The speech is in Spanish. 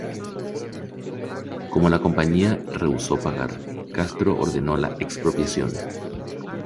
Como la compañía rehusó pagar, Castro ordenó la expropiación